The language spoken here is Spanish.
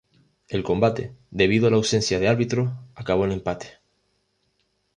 El combate, debido a la ausencia de árbitros, acabó en empate.